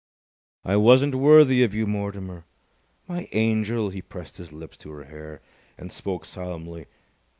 "I wasn't worthy of you, Mortimer!" "My angel!" He pressed his lips to her hair, and spoke solemnly.